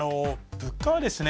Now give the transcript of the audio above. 物価はですね